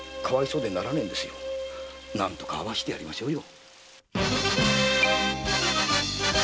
何とか会わせてやりましょうよ。